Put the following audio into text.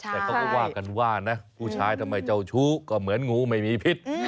แต่เขาก็ว่ากันว่านะผู้ชายทำไมเจ้าชู้ก็เหมือนงูไม่มีพิษ